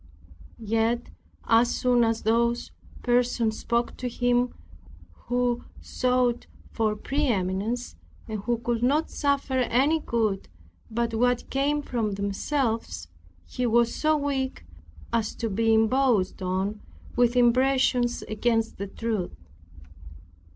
Yet as soon as those persons spoke to him, who sought for pre eminence, and who could not suffer any good but what came from themselves, he was so weak as to be imposed on with impressions against the truth.